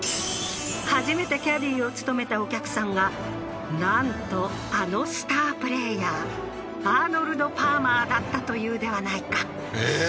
初めてキャディを務めたお客さんがなんとあのスタープレーヤーアーノルド・パーマーだったというではないかええー？